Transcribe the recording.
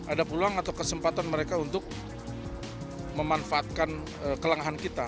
ada peluang atau kesempatan mereka untuk memanfaatkan kelengahan kita